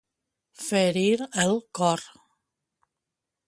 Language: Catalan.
Ferir el cor.